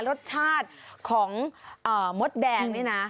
ลวดชาติของมดแดงนินะ